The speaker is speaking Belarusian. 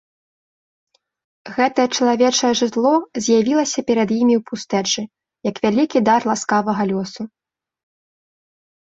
Гэтае чалавечае жытло з'явілася перад імі ў пустэчы, як вялікі дар ласкавага лёсу.